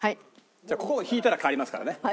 じゃあここを引いたら代わりますからね。